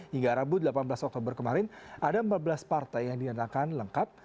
hingga rabu delapan belas oktober kemarin ada empat belas partai yang dinyatakan lengkap